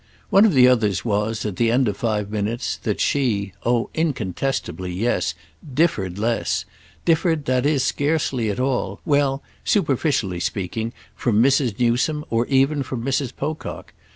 One of the others was, at the end of five minutes, that she—oh incontestably, yes—differed less; differed, that is, scarcely at all—well, superficially speaking, from Mrs. Newsome or even from Mrs. Pocock.